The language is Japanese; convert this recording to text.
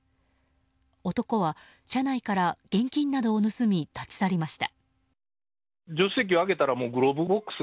男は、車内から現金などを盗み立ち去りました。